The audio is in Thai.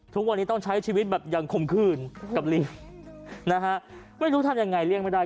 ทุกวันนี้ต้องใช้ชีวิตแบบยังคมคืนกับลิงนะฮะไม่รู้ทำยังไงเลี่ยงไม่ได้